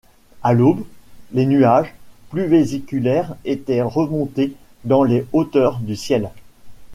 À l’aube, les nuages, plus vésiculaires, étaient remontés dans les hauteurs du ciel.